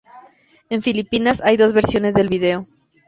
En Filipinas hay dos versiones del vídeo.